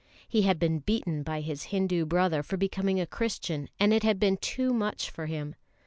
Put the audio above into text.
He had been beaten by his Hindu brother for becoming a Christian, and it had been too much for him.